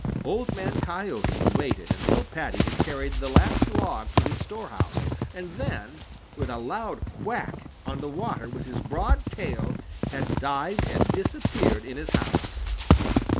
Old Man Coyote waited until Paddy had carried the last log to his storehouse and then, with a loud whack on the water with his broad tail, had dived and disappeared in his house.